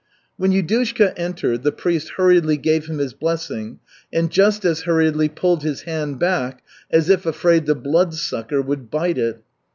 When Yudushka entered, the priest hurriedly gave him his blessing and just as hurriedly pulled his hand back as if afraid the Bloodsucker would bite it.